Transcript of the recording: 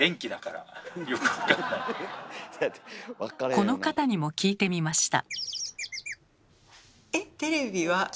この方にも聞いてみました。